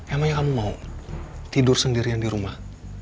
emangnya kamu mau tidur sendirian di rumah